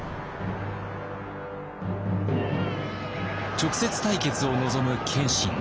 直接対決を望む謙信。